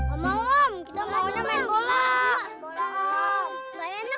om om om kita maunya main bola